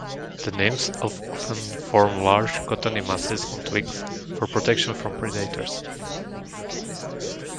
The nymphs often form large cottony masses on twigs, for protection from predators.